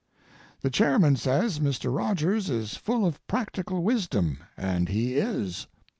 The chairman says Mr. Rogers is full of practical wisdom, and he is.